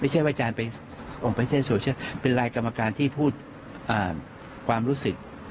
ไม่ใช่ว่าอาจารย์ไปออกไปเส้นโซเชียลเป็นลายกรรมการที่พูดความรู้สึก